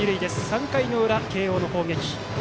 ３回の裏、慶応の攻撃。